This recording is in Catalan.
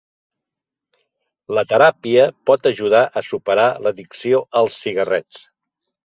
La teràpia pot ajudar a superar l'addicció als cigarrets.